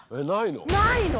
ないの？